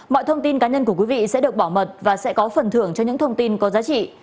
mọi thông tin cá nhân của quý vị sẽ được bảo mật và sẽ có phần thưởng cho những thông tin có giá trị